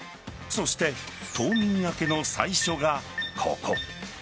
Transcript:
そして、冬眠明けの最初がここ。